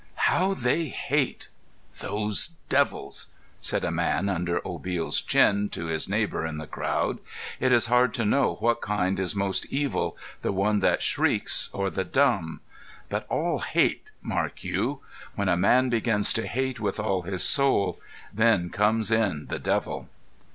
"How they hate those devils!" said a man just under Obil's chin, to his neighbor in the crowd. "It is hard to know which kind is most evil, this one that shrieks, or the dumb but all hate, mark you! When a man begins to hate with all his soul, then comes in the devil!"